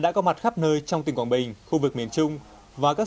và tạo thành chuỗi mô hình liên kết hợp tác